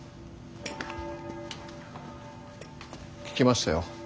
聞きましたよ